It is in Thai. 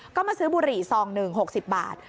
ก็มาซื้อบุหรี่ซองหนึ่ง๖๐บาท